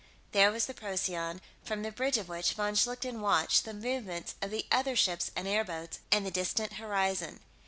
There was the Procyon, from the bridge of which von Schlichten watched the movements of the other ships and airboats and the distant horizon.